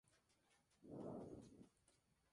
Es un importante destino turístico.